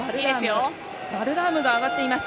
バルラームがあがっています。